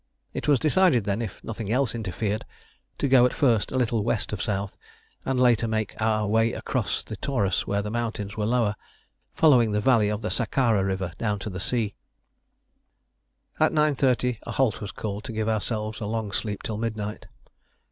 It was decided then, if nothing else interfered, to go at first a little west of south, and later make our way across the Taurus where the mountains were lower, following the valley of the Sakara river down to the sea. At 9.30 P.M. a halt was called to give ourselves a long sleep till midnight.